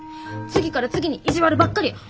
次から次に意地悪ばっかり。